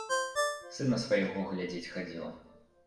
Сына свайго глядзець хадзіла.